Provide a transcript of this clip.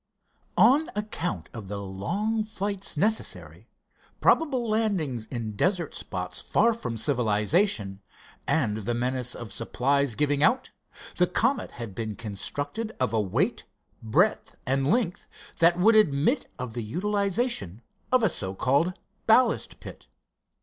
On account of the long flights necessary, probable landings in desert spots far from civilization, and the menace of supplies giving out, the Comet had been constructed of a weight, breadth and length that would admit of the utilization of a so called ballast pit.